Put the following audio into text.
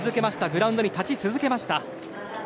グラウンドに立ち続けました。